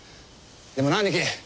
でもな兄貴